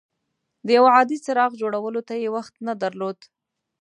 د یو عادي څراغ جوړولو ته یې وخت نه درلود.